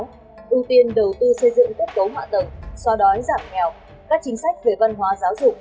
ưu tiên đầu tư xây dựng kết cấu hạ tầng xoa đói giảm nghèo các chính sách về văn hóa giáo dục